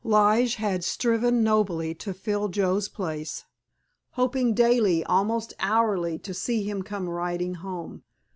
Lige had striven nobly to fill Joe's place, hoping daily, almost hourly, to see him come riding home.